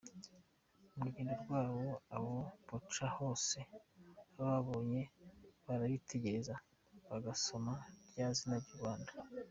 Mu rugendo rwabo, aho baca hose, abababonye barabitegereza, bagasoma rya zina ry’u Rwanda.